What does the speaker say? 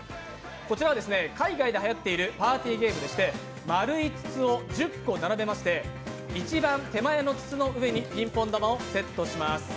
こちらは海外ではやっているパーティーゲームでして丸い筒を１０個並べまして、一番手前の筒の上にピンポン玉をセットします。